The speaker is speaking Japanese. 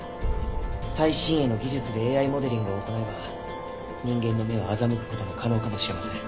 最新鋭の技術でＡＩモデリングを行えば人間の目を欺く事も可能かもしれません。